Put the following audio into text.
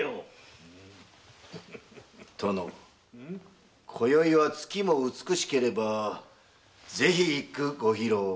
殿今宵は月も美しければぜひ一句ご披露を。